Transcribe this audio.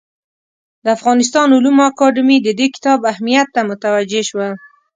د افغانستان علومو اکاډمي د دې کتاب اهمیت ته متوجه شوه.